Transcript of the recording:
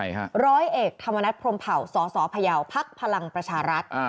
ที่คือร้อยเอกทะมณัฐพรมเผ่าสสพภภลังประชารัฐ